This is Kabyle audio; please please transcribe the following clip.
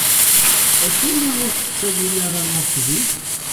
Acimi ur t-ttawin ara ɣer ṭṭbib?